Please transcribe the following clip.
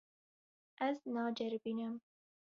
Ez naceribînim.